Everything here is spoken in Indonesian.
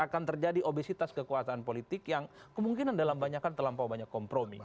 akan terjadi obesitas kekuasaan politik yang kemungkinan dalam banyakan terlampau banyak kompromi